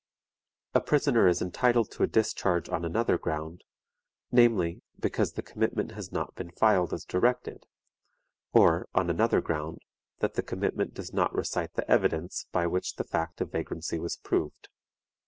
A prisoner is entitled to a discharge on another ground, namely, because the commitment has not been filed as directed; or, on another ground, that the commitment does not recite the evidence by which the fact of vagrancy was proved.